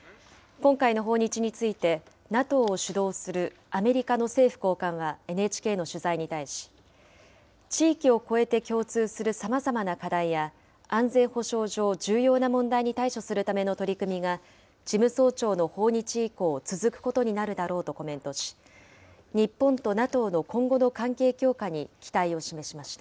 今回の訪日についてＮＡＴＯを主導する、アメリカの政府高官はＮＨＫの取材に対し、地域をこえて共通するさまざまな課題や安全保障上、重要な問題に対処するための取り組みが事務総長の訪日以降、続くことになるだろうとコメントし、日本とＮＡＴＯの今後の関係強化に期待を示しました。